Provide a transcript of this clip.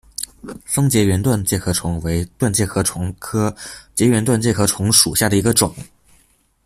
松栉圆盾介壳虫为盾介壳虫科栉圆盾介壳虫属下的一个种。